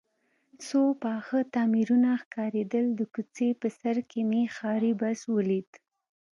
څو پاخه تعمیرونه ښکارېدل، د کوڅې په سر کې مې ښاري بس ولید.